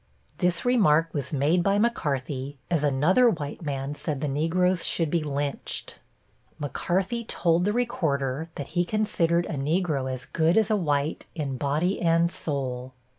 This remark was made by McCarthy, as another white man said the Negroes should be lynched. McCarthy told the recorder that he considered a Negro as good as a white in body and soul.